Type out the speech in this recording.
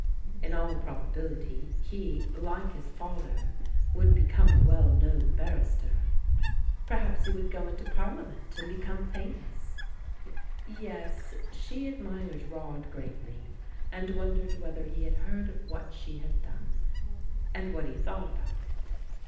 In all probability he, like his father, would become a well known barrister. Per haps he would go into Parliament, and become famous. Yes, she admired Rod greatly, and wondered whether he 218 PRODIGAL DAUGHTERS had heard of what she had done, and what He thought about it.